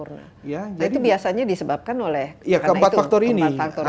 nah itu biasanya disebabkan oleh keempat faktor ini